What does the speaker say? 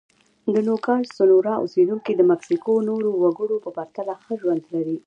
د نوګالس سونورا اوسېدونکي د مکسیکو نورو وګړو په پرتله ښه ژوند لري.